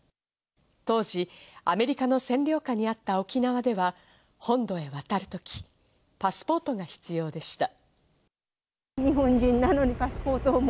当時アメリカの占領下にあった沖縄では、本土へ渡る時、パスポートが必要でした。